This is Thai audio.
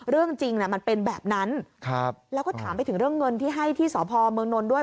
เรื่องจริงมันเป็นแบบนั้นแล้วก็ถามไปถึงเรื่องเงินที่ให้ที่สพเมืองนนท์ด้วย